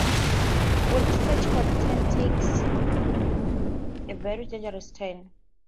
Will's search for The Ten takes a very dangerous turn.